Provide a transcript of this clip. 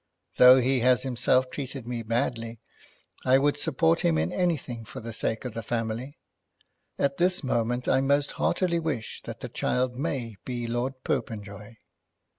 Though he has himself treated me badly, I would support him in anything for the sake of the family. At this moment I most heartily wish that the child may be Lord Popenjoy.